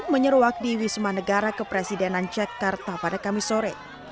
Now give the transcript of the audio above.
menyeruak di wisma negara kepresidenan jakarta pada kamis sore